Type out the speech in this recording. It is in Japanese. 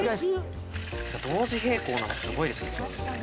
同時並行なのがすごいですよね。